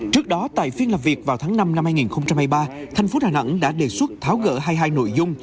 trước đó tại phiên làm việc vào tháng năm năm hai nghìn hai mươi ba thành phố đà nẵng đã đề xuất tháo gỡ hai mươi hai nội dung